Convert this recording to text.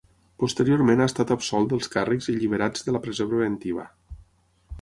Posteriorment ha estat absolt dels càrrecs i alliberats de la presó preventiva.